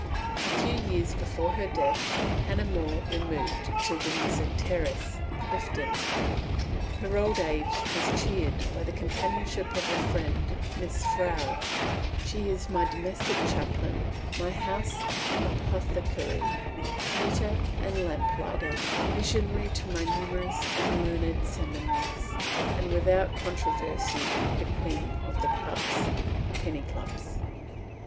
A few years before her death, Hannah More removed to Windsor Terrace, Clifton. Her old age was cheered by the companionship of a friend, Miss Frowd, of whom Miss More wrote, she is "my domestic chaplain, my house apothecary, knitter and lamplighter, missionary to my numerous and learned seminaries, and, without controversy, the queen of clubs" (penny clubs).